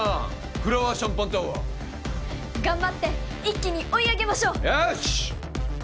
フラワーシャンパンタワー頑張って一気に追い上げましょうよし！